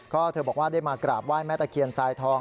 ก็เธอบอกว่าได้มากราบไหว้แม่ตะเคียนทรายทอง